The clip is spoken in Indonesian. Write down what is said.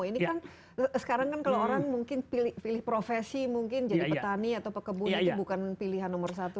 ini kan sekarang kan kalau orang mungkin pilih profesi mungkin jadi petani atau pekebun itu bukan pilihan nomor satu